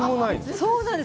そうなんです。